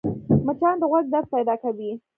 مچان د غوږ درد پیدا کوي